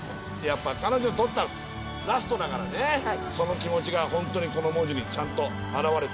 やっぱ彼女にとったらラストだからねその気持ちが本当にこの文字にちゃんと表れた。